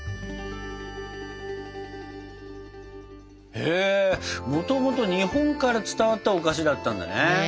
へもともと日本から伝わったお菓子だったんだね。